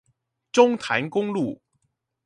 中潭公路